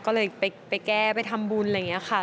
ก็เลยไปแก้ไปทำบุญอะไรอย่างนี้ค่ะ